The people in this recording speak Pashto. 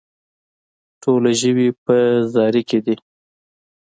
ټوله ژوي په زاري کې دي.